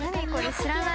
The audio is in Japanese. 知らない。